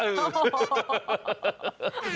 เออ